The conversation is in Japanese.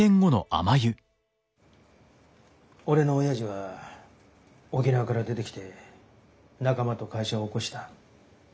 俺の親父は沖縄から出てきて仲間と会社を起こした。